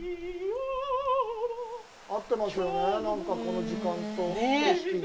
合ってますよね、この時間と景色に。